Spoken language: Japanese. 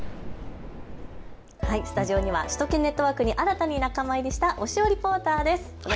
スタジオには首都圏ネットワークに新たに仲間入りした押尾リポーターです。